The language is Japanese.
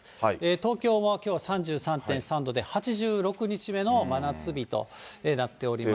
東京もきょうは３３．３度で８６日目の真夏日となっておりまして。